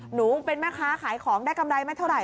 หนูเป็นแม่ค้าขายของได้กำไรไม่เท่าไห